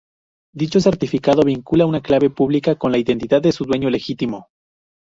Dicho certificado vincula una clave pública con la identidad de su dueño legítimo.